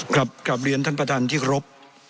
กลับเรียนท่านประธานที่ครบ